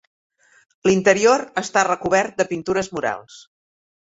L'interior està recobert de pintures murals.